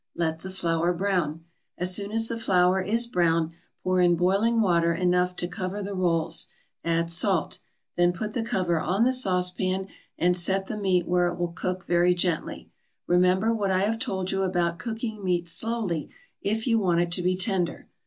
Let the flour brown. As soon as the flour is brown pour in boiling water enough to cover the rolls; add salt. Then put the cover on the sauce pan and set the meat where it will cook very gently. Remember what I have told you about cooking meat slowly if you want it to be tender.